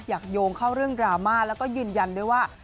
โยงเข้าเรื่องดราม่าแล้วก็ยืนยันด้วยว่า